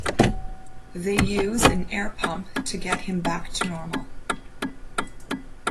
They use an air pump to get him back to normal.